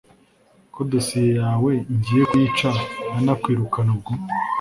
ko dosiye yawe ngiye kuyica nkanakwirukana ubwo